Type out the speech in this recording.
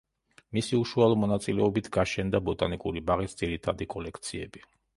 მისი უშუალო მონაწილეობით გაშენდა ბოტანიკური ბაღის ძირითადი კოლექციები.